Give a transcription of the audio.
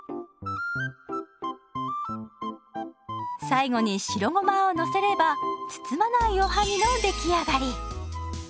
最後に白ごまをのせれば包まないおはぎの出来上がり！